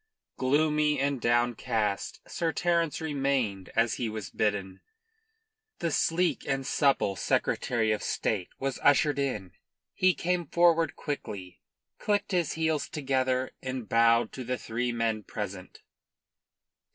Gloomy and downcast, Sir Terence remained as he was bidden. The sleek and supple Secretary of State was ushered in. He came forward quickly, clicked his heels together and bowed to the three men present.